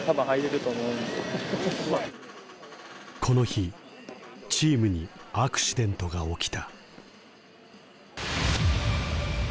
この日チームにアクシデントが起きた。